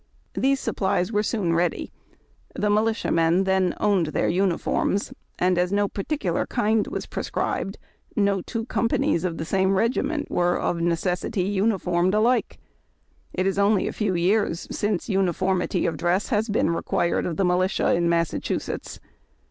These supplies were soon ready. The militiamen then owned their uniforms, and, as jio particular kind was prescribed, no two companies of the THE TOCSIN OF WAR. 25 same regiment were of necessity uniformed alike. It is only a few years since uniformity of dress has been re quired of the militia in Massachusetts.